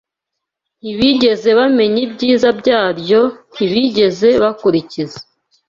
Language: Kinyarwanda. Ntibigeze bamenya ibyiza byaryo, ntibigeze bakurikiza